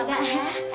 nggak marah ya